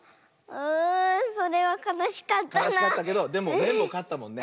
うそれはかなしかったな。かなしかったけどでもめんぼうかったもんね。